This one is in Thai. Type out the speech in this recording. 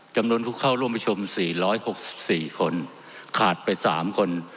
กำหนดทุกข้อยร่วมประชุม๔๖๔คนขาดไป๓คน